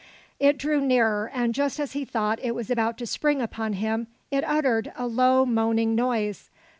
It drew nearer; and just as he thought it was about to spring upon him, it uttered a low, moaning noise.